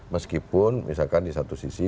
meskipun misalkan di satu sisi